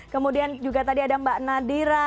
kemudian juga tadi ada mbak nadira